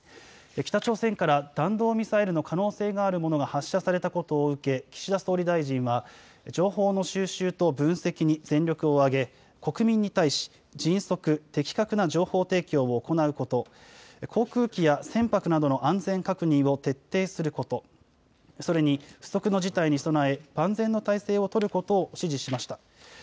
北朝鮮から弾道ミサイルの可能性があるものが発射されたことを受け岸田総理大臣は情報の収集と分析に全力を挙げ国民に対し迅速、的確な情報提供を行うこと、航空機や船舶などの安全確認を徹底すること、それに不測の事態に備え万全の態勢を取ることを指示しました。